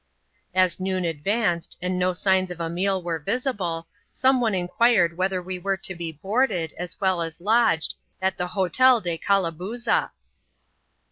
As noon advanced, and no signs of a meal were visible, some one inquired whether we were to be boarded, as well as lodged, at the Hotel de Calabooza